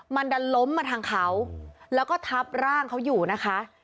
มันดันล้มมาทางเขาแล้วก็ทับร่างเขาอยู่นะคะ